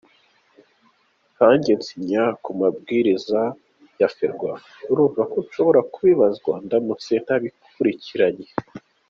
Nkanjye nsinya ku mabwiriza ya Ferwafa, urumva ko nshobora kubibazwa ndamutse ntabikurikiranye.